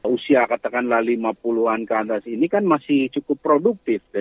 usia katakanlah lima puluh an ke atas ini kan masih cukup produktif